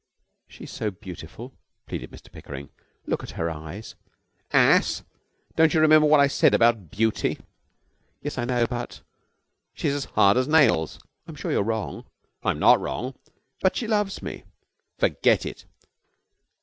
'She's so beautiful!' pleaded Mr Pickering. 'Look at her eyes!' 'Ass! Don't you remember what I said about beauty?' 'Yes, I know, but ' 'She's as hard as nails.' 'I'm sure you're wrong.' 'I'm not wrong.' 'But she loves me.' 'Forget it!'